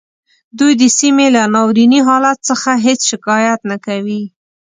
دوی د سیمې له ناوریني حالت څخه هیڅ شکایت نه کوي